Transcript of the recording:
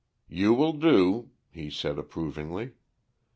"You will do," he said approvingly.